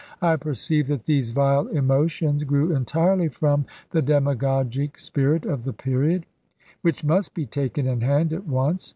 I perceived that these vile emotions grew entirely from the demagogic spirit of the period, which must be taken in hand at once.